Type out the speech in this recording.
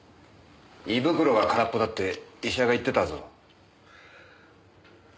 胃袋が空っぽだって医者が言ってたぞ。